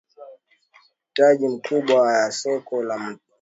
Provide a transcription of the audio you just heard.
mahitaji makubwa ya soko la watumwa la Atlantiki yalilisha ufuatano wa